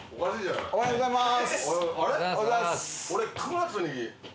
おはようございます。